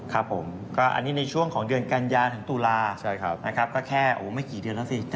ครับผมก็อันนี้ในช่วงของเดือนกันยาถึงตุลานะครับก็แค่ไม่กี่เดือนแล้วสิ